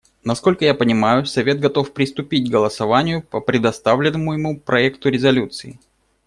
Насколько я понимаю, Совет готов приступить к голосованию по представленному ему проекту резолюции.